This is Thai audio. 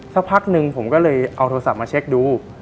สักพักหนึ่งผมก็เลยเอาโทรศัพท์มาเช็คดู